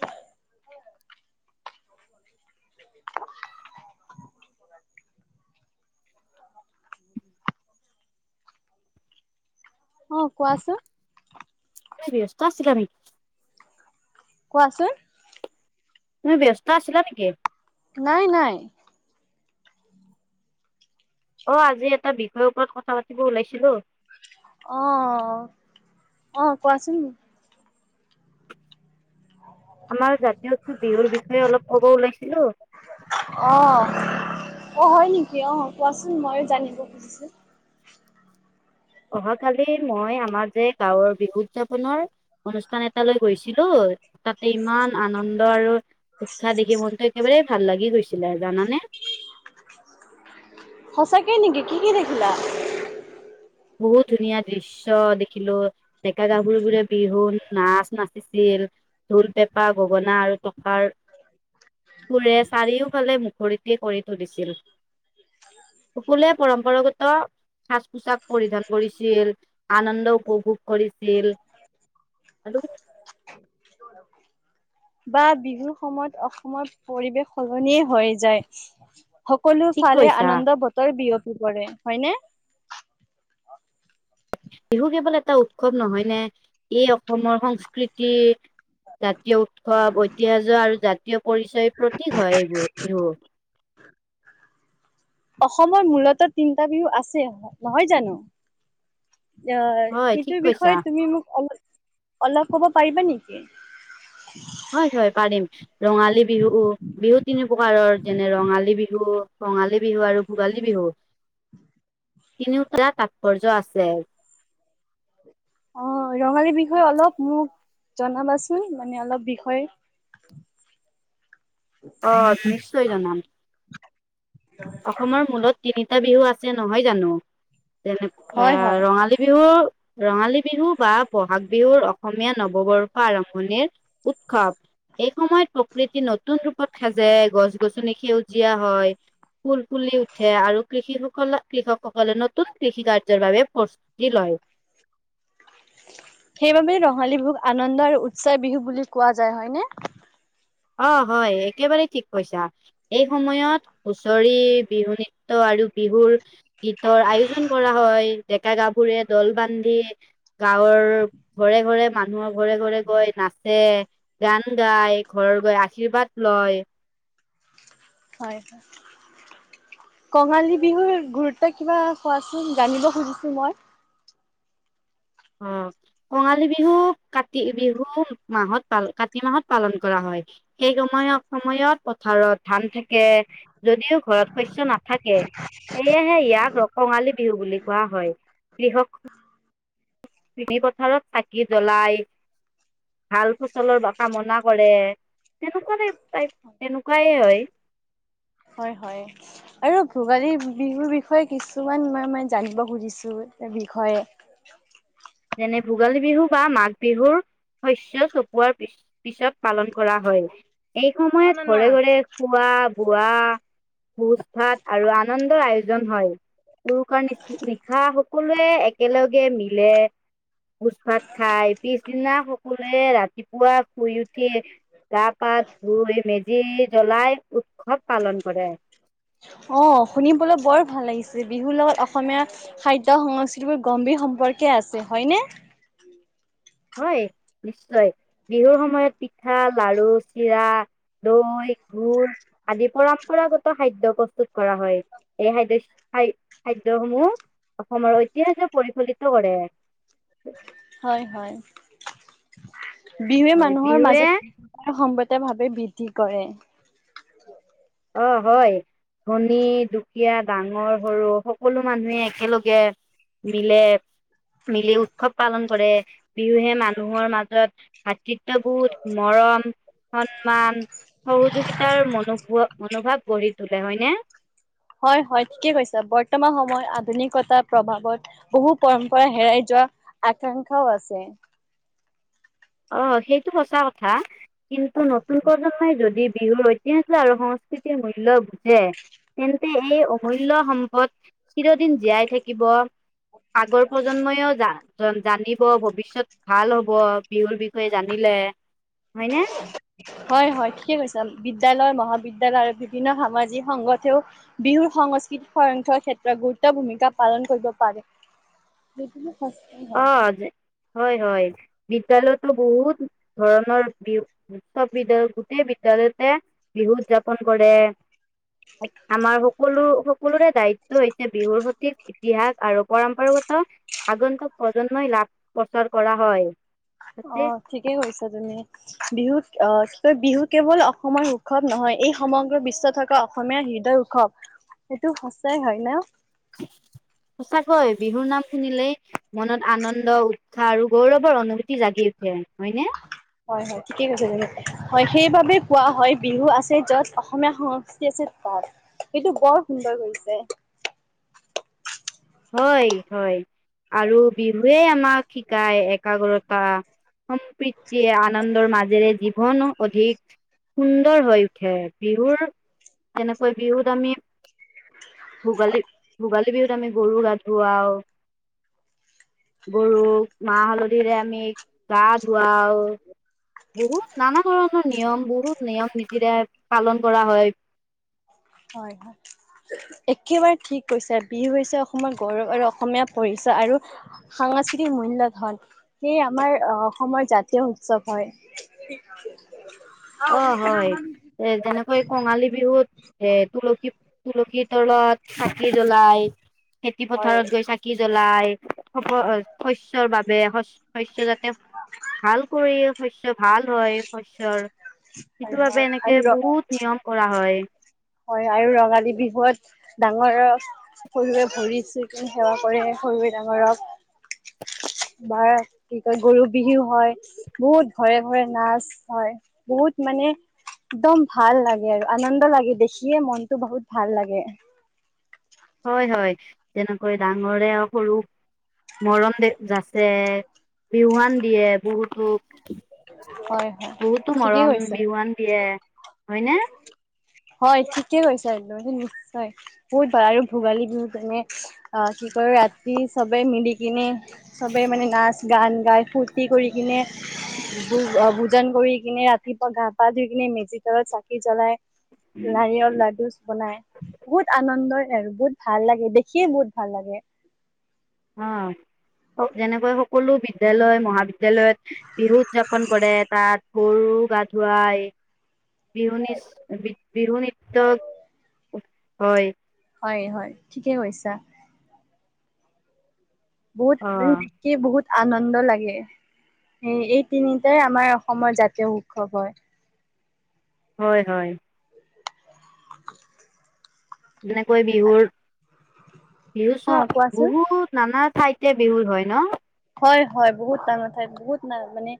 [inaudible] [unintelligible] অঁ কোৱাচোন! পাচত চিলাবি কোৱাচোন! তুমি ব্যস্ত আছিলা নেকি? নাই নাই। অঁ আজি এটা বিষয়ৰ ওপৰত কথা পাতিব ওলাইছিলো। অঁ অঁ কোৱাচোন আমাৰ জাতীয় উৎসৱ বিহুৰ বিষয়ে অলপ ক'ব ওলাইছিলো। অ অ হয় নেকি অ কোৱাচোন মই জানিব খুজিছো। অহাকালি মই আমাৰ যে গাঁৱৰ বিহু উদযাপনৰ অনুষ্ঠান এটাালৈ গৈছিলো তাতে ইমান আনন্দ আৰু উৎখাহ দেখে মনতো একেবাৰাৰে ভাল লাগি গৈছিলে আৰু, জানানে! সঁচাকৈ নেকি, কি কি দেখিলা? বহুত ধুনীয়া দৃশ্য দেখিলো, ডেকা গাভৰিবোৰে বিহু নাচ নাচিছিল, ঢোল পেঁপা গগনা আৰু টকাৰ সুৰে চাৰিওফালে মুখৰিতে কৰি তুলিছিল, সকলোৱে পৰম্পৰাগত সাজ পোছাক পৰিধান কৰিছিল, আনন্দ উপভোগ কৰিছিল আৰু বা বিহুৰ সময়ত অসমৰ পৰিৱেশ সলনিয়ে হৈ যায়। সকলো ঠিক ফালে কৈছা আনন্দ বতৰ বিয়পি কি কৰে হয়নে! বিহু কেৱল এটা উৎ খুৱ নহয় নে এই অসমৰ সংস্কৃতি জাতীয় উৎসৱ ঐতিহ্য আৰু জাতীয় পৰিচয়ৰ প্ৰতীক হয় এইবোৰ বিহু অসমৰ মূলতঃ তিনিটা বিহু আছে নহয় জানো। অঁ হয় ঠিক সেইটো কৈছা বিষয়ে তুমি মোক অলপ অলপ ক'ব পাৰিবা নেকি হয় হয় পাৰিম ৰঙালী বিহু বিহু তিনি প্ৰকাৰৰ যেনে ৰঙালী বিহু ৰঙালী বিহু আৰু ভোগালী বিহু তিনিওটাটা তাৎপৰ্য আছে অঁ ৰঙালীৰ বিষয়ে অলপ মোক জনাবাচোন মানে অলপ বিষয়। অঁ নিশ্চয় জনাম অসমৰ মূলত তিনিটা বিহু আছে। জ নহয় জানো যেনে এ হয় হয় ৰঙালী বিহু ৰঙালী বিহু বা বহাগ বিহুৰ অসমীয়া নৱবৰ্ষ আৰম্ভণিৰ। উৎসৱ। এই সময়ত প্ৰকৃতি নতুন ৰূপত সাজে গছ গছনি সেউজীয়া হয়। ফুল ফুলি উঠে আৰু কৃষি। কৃষকসকলে নতুন কৃষি কাৰ্যৰ বাবে প্ৰস্তুতি লয়। সেইবাবে ৰঙালী বিহুক আনন্দ আৰু উৎসাহ বিহু বুলি কোৱা যায় হয়নে। অঁ হয় একেবাৰে ঠিক কৈছা এই সময়ত হুঁচৰি বিহু নৃত্য আৰু বিহুৰ। গীতৰ আয়োজন কৰা হয়। ডেকা গাভৰুৰ দল বান্ধি গাঁৱৰ ঘৰে ঘৰে মানুহৰ ঘৰে ঘৰে গৈ নাচে গান গাই ঘৰ গৈ আশীৰ্বাদ লয়। হয় হয় কঙালী বিহুৰ গুৰুত্ব কিবা কোৱাচোন জানিব খুজিছো মই আহ কঙালী বিহু, কাতি বিহু, মাহত পাল কাতি মাহত পালন কৰা হয় সেই সময়ত সময়ত ভাৰত ধান থাকে যদিও ঘৰত শস্যয় নাথাকে সেয়েহে ইয়াক কঙালী বিহু বুলি কোৱা হয় কৃষক চিনি পথাৰত চাকি জ্বলাই ভাল ফচলৰ কামনা কৰে তেনেকুৱা টাইপ তেনেকুৱাই হয় হয় হয়, আৰু ভোগালী বিহুৰ বিষয়ে কিছুমান মই মে জানিব খুজিছোাৰ বিষয়ে যেনে ভোগালী বিহু বা মাঘ বিহুৰ শস্য চপোৱাৰ পিছত পালন কৰা হয়। এই অ' সময়ত নানা। ঘৰে ঘৰে খোৱা বোৱা। ভোজ- ভাত আৰু আনন্দৰ আয়োজন হয়। উৰুকা নিশা সকলোৱে একেলগে মিলে পোজ ভাত খাই পিছদিনা সকলোৱে ৰাতিপুৱা শুই উঠি গা পা ধুই মেজি জ্বলাই উৎসৱ পালন কৰে। অঁ শুনিবলৈ বৰ ভাল লাগিছে বিহুৰ লগত অসমীয়া খাদ্য সংস্কৃতিবোৰ গম্ভীৰ সম্পৰ্কে আছে হয়নে। হয় নিশ্চয় বিহুৰ সময়ত পিঠা লাৰু চিৰা দৈ গুুৰ আদি পৰম্পৰাগত খাদ্য প্ৰস্তুত কৰা হয়। এই খাদ্য খ খাদ্য সমূহ অসমৰ ঐতিহাসে পৰিফলিত কৰে। হয় হয় বিহুৱে হয় মানুহৰ বিহুৱে মাজত সম্বত ভাৱে বিধ। কি কৰে। অ হয় ধনী দুখীয়া ডাঙৰ সৰু সকলো মানুহে একেলগে মিলে, মিলি উৎসৱ পালন কৰে বিহুহে মানুহৰ মাজত ভাতৃত্ববোধ মৰম সন্মান সহযোগিতাৰ মনোভ। মনোভাৱ গঢ়ি তোলে হয়নে? হয় হয় ঠিকে কৈছা বৰ্তমান সময়ত আধুনিকতাৰ প্ৰভাৱত বহু পৰম্পৰা হেৰাই যোৱা আকাংক্ষাও আছে। আহ সেইটো সঁচা কথা কিন্তু নতুন প্ৰজন্মই যদি বিহুৰ ঐতিহাস্য আৰু সংস্কৃতিৰ মূল্য বুজে তেন্তে এই অমূল্য় সম্পদ চিৰদিন জীয়াই থাকিব। আগৰ প্ৰজন্মইও যান। জানিব ভৱিষ্যয়ত ভাল হ'ব। বিহুৰ বিষয়ে জানিলে। হয়নে? হয় হয় ঠিকে কৈছে বিদ্যালয় ম। মহাবিদ্যালয় আৰু বিভিন্ন সামাজিক সংগঠেও বিহুৰ সংস্কৃতিক সংখ্যক ক্ষেত্ৰত গুৰুত্ব ভূমিকা পালন কৰিব পাৰে। সস্থি হয়। অ', হয় হয় বিদ্যালয়তো বহুত ধৰণৰ বিহু উৎসৱ বিদ্যালয় গোটেই বিদ্যালয়তে বিহু উদযাপন কৰে আমাৰ সকলো সকলোৰে দায়িত্ব হৈছে বিহুৰ সঠিক ইতিহাস আৰু পৰম্পৰাগত আগন্তুক। প্ৰজন্মই লাভ প্ৰচাৰ কৰা হয়। অ তাতে ঠিকেই কৈছা তুমি বিহুত। আহ ত বিহু কেৱল অসমৰ উৎসৱ নহয় এই সমগ্ৰ বিশ্ব থকা অসমীয়া হৃদয় উৎসৱ সেইটো সচাই হয় ন। সচাকৈ বিহুৰ নাম শুনিলেই মনত আনন্দ উৎসাহ আৰু গৌৰৱৰ অনুভূ। জাগি উঠে হয়নে। হয় হয় ঠিকেই কৈছে তুমি হয় সেইবাবে কোৱা হয় বিহু আছে যত অসমীয়া সংস্কৃতি আছে তাত সেইটো বৰ সুন্দৰ কৰিছে। হয় হয় আৰু বিহুৱে আমাক শিকায় একাগ্ৰতা। সম্প্ৰীতি আনন্দৰ মাজেৰে জীৱ। ঘন অধিক সুন্দৰ হৈ উঠে বিহুৰ এনেকৈ বিহুত আমি। ভোগালী দি ভোগালী। বিহুত আমি। গৰু গা ধুৱাও গৰুক মাহ হালধিৰে আমি গা ধুৱাওঁ বহুত নানা ধৰণৰ নিয়ম বহুত নিয়ম নিতিৰে পালন কৰা হয়। হয় হয় একেবাৰে ঠিক কৈছে বিহু হৈছে অসমৰ গৌৰৱ আৰু অসমীয়া পৰিচয় আৰু সাংস্কৃতিক মূল্য ধন সেয়ে আমাৰ অসমৰ জাতীয় উৎসৱ হয়। অ হয় এ যেনেকৈ কঙালী বিহুত এ। তুলসী তুলসীৰ তলত চাকি জ্বলাই। খেতি হয় পথাৰত গৈ চাকি জ্বল। লাই ব শস্যৰ বাবে শ শস্যৰ যাতে ভাল কৰি শস্যৰ ভাল হয় শস্যৰ। হয় সেইটো হয় বাবে এনেকে আৰু বহুত নিয়ম কৰা হয়। হয় আৰু ৰঙালী বিহুত ডাঙৰক সৰুৱে ভৰিত চুই কিনে সেৱা কৰে সৰুৱে ডাঙৰক বা কি কয় গৰু বিহু হয় বহুত ঘৰে ঘৰে নাচ হয় বহুত মানে একদম ভাল লাগে আৰু আনন্দ লাগে দেখি। খিয়ে মনতটো বহুত ভাল লাগে। হয় হয় যেনেকৈ ডাঙৰে সৰু মৰম যাচে বিহুৱান দিয়ে বহুতো। হয় হয় বহুতো ঠিকেই মৰম কৈছে বিহুৱান দিয়ে হয় ন। হয় ঠিকে কৈছ একদম নিশ্চয় বহুত ভাল আৰু ভোগালী কিন তেনে অ কি ক ৰাতি চবে মিলি কিনে সবে মানে নাচ গান গাই ফূুৰ্তি কৰি কিনে ভোজন কৰি কিনে ৰাতিপুৱা গা, পা ধুই কিনে মেজি তলত চাকি, জ্বলাই নাৰিকল, লাডু, বনাই বহুত আনন্দই আৰু বহুত ভাল লাগে দেখিয়ে বহুত ভাল লাগে আহ যেনেকৈ সকলো বিদ্যালয় মহাবিদ্যালয়ত, বিহু, উদযাপন কৰে তাত গৰু, গা ধুৱাই বিহু বিহু, নৃত্য হয়। হয় হয় ঠিকে কৈছা বহুত অ মানে দেখি বহুত আনন্দ লাগে এই এই তিনিটাই আমাৰ অসমৰ জাতীয়, উৎসৱ হয়। হয় হয়। যেনেকৈ বিহুৰ, বিহু চোৱা অ' কোৱাচোন? বহুত নানা ঠাইতে বিহু হয় ন হয় হয় বহুত মানুহ ঠাইত বহুত ন মানে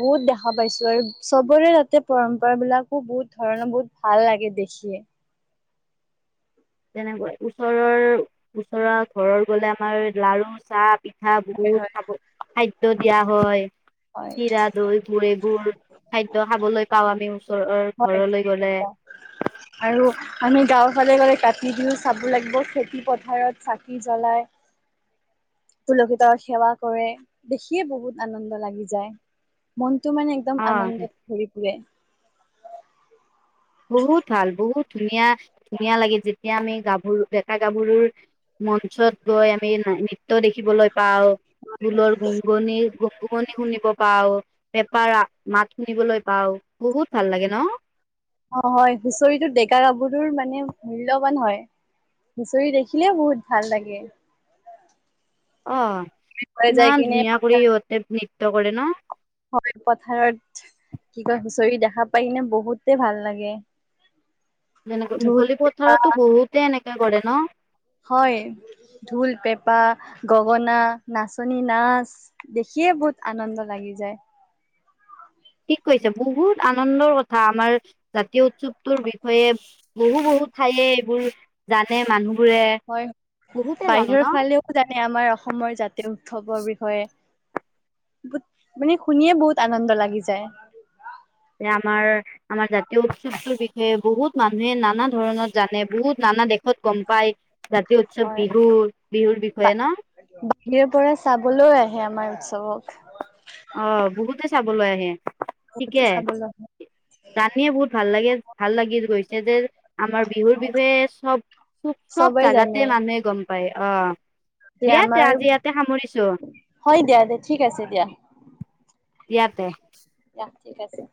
বহুত দেখা পাইছো আৰু চবৰে তাতে পৰম্পৰা বিলাকো বহুত ধৰণৰ বহুত ভাল লাগে দেখিয়। তেনেকৈ ওচৰৰ ওচৰৰ ঘৰৰত গলে আমাৰ লাৰু, চাহ, পিঠা হয় হয়। বহুত খাব খাদ্য- টো দিয়া হয়য। হয় চিৰা, দৈবোৰ, এইবোৰ খাদ্য খাবলৈ পাও আমি ওচৰৰ হয়। ঘৰলৈ গলে। কলে গলে কাটি কিনি চাব লাগিব খেতি পথাৰত চাকি জ্বলাই তুলসীতলত সেৱা কৰে দেখিয়ে বহুত আনন্দ লাগি। যাই মন টো মানে একদম অ আনন্দত ঘৰি ফুৰে বহুত ভাল বহুত ধুনীয়া ধুনীয়া লাগে যেতিয়া আমি গাভৰু ডেকা গাভৰুৰ মঞ্চত, গৈ আমি দেখিবলৈ পাও ঢোলৰ, গুণগুনি গুপগুপণি শুনিব পাও পেপাৰ, মাত শুনিবলৈ পাও বহুত ভাল লাগে ন অ হয় হুঁচৰিটো ডেকা, গভৰুৰ, মানে মূল্যবান হয় হুচৰি দেখিলে বহুত ভাল লাগে। অ হৈ যাই ইমান কিনে ধুনীয়া কৰি পথাৰ সিহঁতে নৃত্য কৰে ন হয় পথাৰত কি কয় হুচৰি দেখা পাই ন বহুতে ভাল লাগে। যেনেকে ঢোল মুকলি পেঁপা পথাৰতো বহুতে এনেকে কৰে। ন হয় ঢোল, পেঁপা, গগনা, নাচনী, নাচ দেখিয়ে বহুত আনন্দ লাগি যায়। ঠিক কৈছে বহুত আনন্দৰ কথা আমাৰ জাতীয় উৎসৱটোৰ বিষয়ে বহু বহু ঠাইয়ে এইবোৰ জানে মানুহ হয় বাহিৰৰ ফালেও জানে আমাৰ অসমৰ জাতীয় উৎসৱৰ বিষয়ে হয় বত মানে শুনিয়ে বহুত আনন্দ লাগি যায়। যে আমাৰ আমাৰ জাতীয় উৎসৱটোৰ বিষয়ে বহুত মানুহে নানা ধৰণৰ জানে বহুত নানা দেশত গম পায়। জাতীয় উৎসৱ হয় বিহু বিহুৰ বিষয়ে ন বাহিৰ পৰা চাবলৈও আহে আমাৰ ৰত তবক অ' বহুতে চাবলৈ আহে। উম! উম! বহুতে ঠিকে, চাবলৈ আহে। ৰাতি বহুত ভাল লাগে, ভাল লাগি গৈছে। যেনে আমাৰ বিহুৰ বিষয়ে চব, চব, চব চবেই জাগাতে মানুহে গম পায়। পাই অ'! দিয়া তে আমাৰ আজি ইয়াতে সামৰিছো হয় দিয়া, দে ঠিক আছে দিয়া। ইয়াতে দিয়া ঠিক আছে। ‌